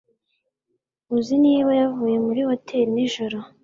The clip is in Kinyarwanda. Uzi niba yavuye muri hoteri nijoro